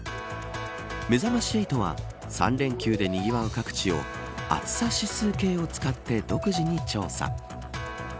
めざまし８は３連休でにぎわう各地を暑さ指数計を使って独自に調査。